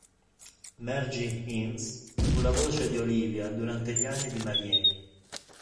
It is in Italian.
Margie Hines fu la voce di Olivia durante gli anni di Miami.